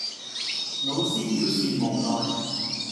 老師表示無奈